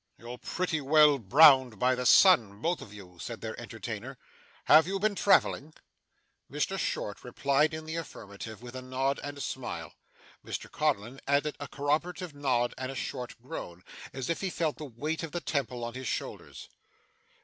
'You're pretty well browned by the sun, both of you,' said their entertainer. 'Have you been travelling?' Mr Short replied in the affirmative with a nod and a smile. Mr Codlin added a corroborative nod and a short groan, as if he still felt the weight of the Temple on his shoulders.